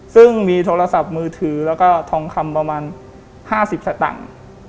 ซึ่งมีโทรศัพท์มือถือแล้วก็ทองคำประมาณ๕๐สตางค์